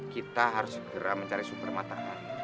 kita harus segera mencari suber mata